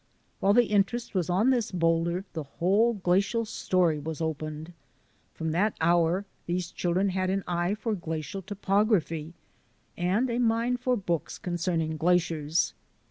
While the interest was on this boulder the whole glacial story was opened. From that hour these children had an eye for glacial topography and a mind for books concerning glaciers.